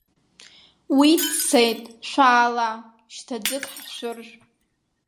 Уи дцеит, шәаала, шьҭа ӡык ҳшәыржә.